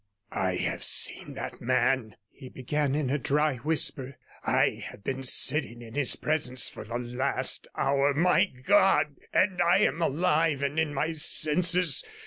'I have seen that man,' he began in a dry whisper. 'I have been sitting in his presence for the last hour. My God! And I am alive and in my senses!